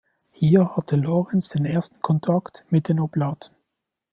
Hier hatte Lorenz den ersten Kontakt mit den Oblaten.